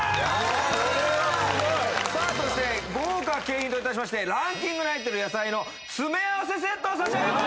これはすごいさあそして豪華景品といたしましてランキングに入ってる野菜の詰め合わせセットを差し上げます